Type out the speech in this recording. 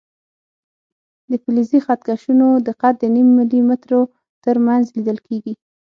د فلزي خط کشونو دقت د نیم ملي مترو تر منځ لیدل کېږي.